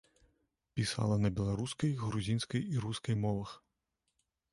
Пісала на беларускай, грузінскай і рускай мовах.